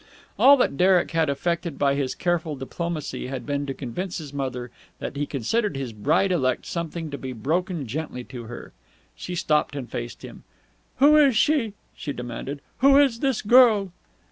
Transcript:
All that Derek had effected by his careful diplomacy had been to convince his mother that he considered his bride elect something to be broken gently to her. She stopped and faced him. "Who is she?" she demanded. "Who is this girl?"